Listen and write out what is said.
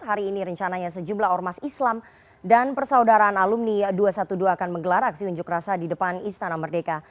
hari ini rencananya sejumlah ormas islam dan persaudaraan alumni dua ratus dua belas akan menggelar aksi unjuk rasa di depan istana merdeka